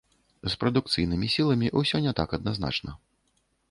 З прадукцыйнымі сіламі ўсё не так адназначна.